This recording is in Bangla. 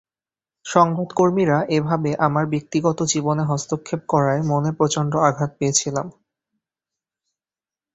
সংবাদকর্মীরা এভাবে আমার ব্যক্তিগত জীবনে হস্তক্ষেপ করায় মনে প্রচণ্ড আঘাত পেয়েছিলাম।